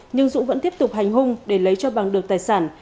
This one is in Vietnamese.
nhưng dũng vẫn tiếp tục hành hung để lấy cho bằng được tài sản